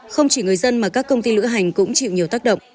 không chỉ người dân mà các công ty lữ hành cũng chịu nhiều tác động